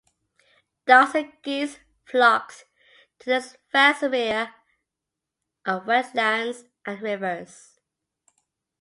Ducks and geese flocked to this vast area of wetlands and rivers.